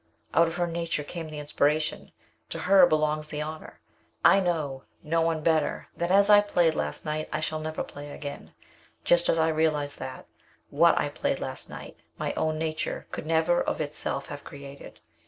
Out of her nature came the inspiration. To her belongs the honor. I know no one better, that as I played last night, I shall never play again; just as I realize that what I played last night my own nature could never of itself have created.